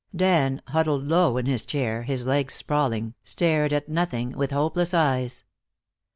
Dan, huddled low in his chair, his legs sprawling, stared at nothing with hopeless eyes.